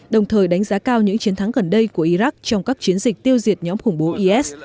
đồng thời đánh giá cao những chiến thắng gần đây của iraq trong các chiến dịch tiêu diệt nhóm khủng bố is